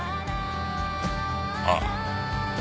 ああ。